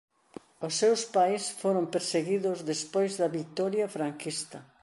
Os seus pais foron perseguidos despois da vitoria franquista.